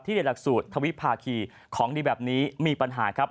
ที่เรียนลักษณ์สูตรทวิภาคีของดีแบบนี้มีปัญหาครับ